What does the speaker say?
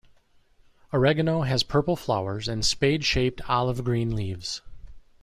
Oregano has purple flowers and spade-shaped, olive-green leaves.